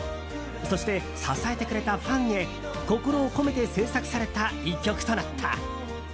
そして支えてくれたファンへ心を込めて制作された１曲となった。